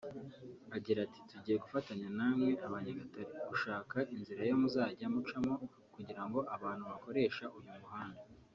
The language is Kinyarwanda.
Agira ati “…tugiye gufatanya namwe (abanyamagare) gushaka inzira yo muzajya mucamo kugira ngo abantu bakoresha uyu muhanda